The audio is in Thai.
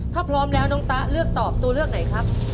ถ้าพร้อมแล้วน้องตะเลือกตอบตัวเลือกไหนครับ